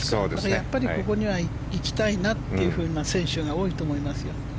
やっぱりここには行きたいなって選手が多いと思いますよ。